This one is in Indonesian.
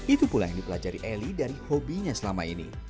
itu pula yang dipelajari eli dari hobinya selama ini